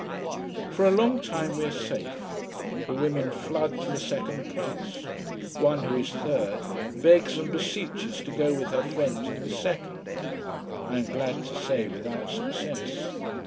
For a long time we are safe. The women flood to the second class. One who is third, begs and beseeches to go with her friends in the second. I am glad to say without success.